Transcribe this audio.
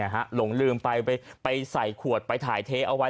หลงลืมไปใส่ขวดไปถ่ายเทเอาไว้